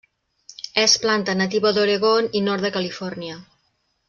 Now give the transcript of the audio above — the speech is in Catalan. És planta nativa d'Oregon i nord de Califòrnia.